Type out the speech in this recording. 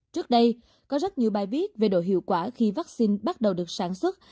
trước đây có rất nhiều bài viết về độ hiệu quả khi vaccine bắt đầu được sản xuất